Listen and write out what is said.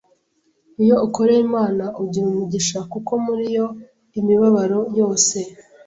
Iyo ukoreye Imana ugira umugisha, kuko muri iyo mibabaro yose